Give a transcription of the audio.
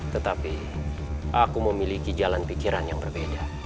tetapi aku memiliki jalan pikiran yang berbeda